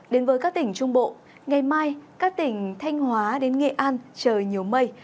đến với các tỉnh trung bộ ngày mai các tỉnh thanh hóa đến nghệ an trời nhiều mây